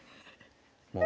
もう。